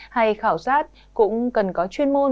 hay khảo sát cũng cần có chuyên môn